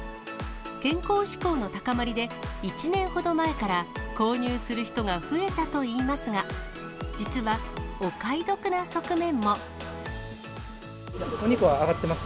健康志向の高まりで、１年ほど前から、購入する人が増えたといいますが、お肉は上がってます。